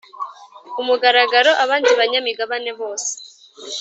ku mugaragaro abandi banyamigabane bose